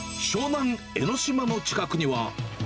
湘南・江の島の近くには。